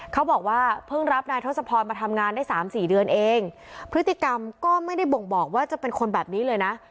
เขาบอกว่าเพิ่งรับนายทศพรมาทำงานได้สามสี่เดือนเองพฤติกรรมก็ไม่ได้บ่งบอกว่าจะเป็นคนแบบนี้เลยนะ